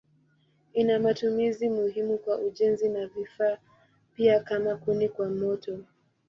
Ina matumizi muhimu kwa ujenzi na vifaa pia kama kuni kwa moto.